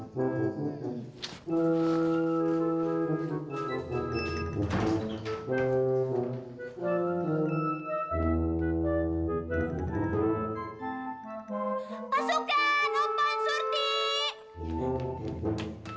pasukan opon surti